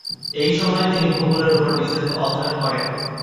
এই সময়ে তিনি ভূগোলের উপর বিস্তারিত অধ্যায়ন করেন।